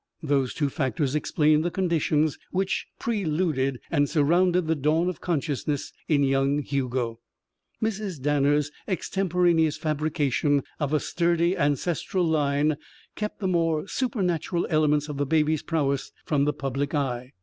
Those two factors explain the conditions which preluded and surrounded the dawn of consciousness in young Hugo. Mrs. Danner's extemporaneous fabrication of a sturdy ancestral line kept the more supernatural elements of the baby's prowess from the public eye.